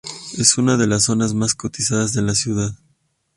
Es una de las zonas más cotizadas de la ciudad.